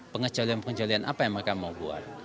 pengejualian pengejualian apa yang mereka mau buat